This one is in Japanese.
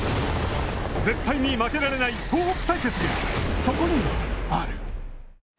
絶対に負けられない東北対決がそこにある。